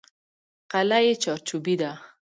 قلعه یې چارچوبي ده.